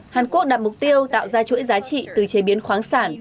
hàn quốc đặt mục tiêu tạo ra chuỗi giá trị từ chế biến khoáng sản